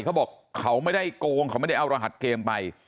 เขาบอกเขาไม่ได้โกงเขาไม่ได้เอารหัสเกมไป